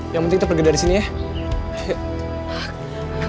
yang penting kita pergi dari sini ya